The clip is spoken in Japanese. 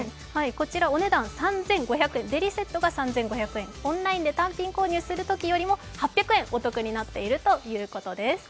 こちら、デリセットがお値段３５００円、オンラインで単品購入するときよりも８００円お得になっているということです。